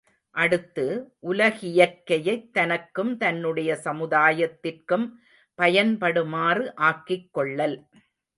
அடுத்து, உலகியற்கையைத் தனக்கும் தன்னுடைய சமுதாயத்திற்கும் பயன்படுமாறு ஆக்கிக் கொள்ளல்.